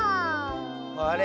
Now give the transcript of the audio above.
あれ？